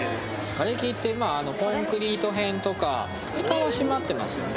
がれきってまあコンクリート片とか蓋は閉まってますよね。